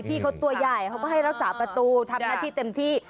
พี่เขาตัวใหญ่เขาก็ให้รักษาประตูทำหน้าที่เต็มที่